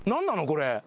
これ。